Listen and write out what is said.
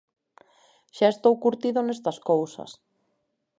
Xa estou curtido nestas cousas.